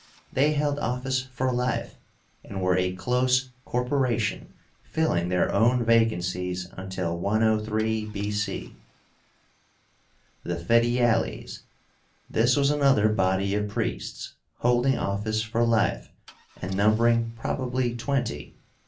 They held office for life, and were a close corporation, filling their own vacancies until 103 B. C. THE FETIALES. This was another body of priests holding office for life, and numbering probably twenty.